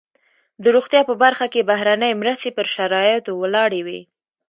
د روغتیا په برخه کې بهرنۍ مرستې پر شرایطو ولاړې وي.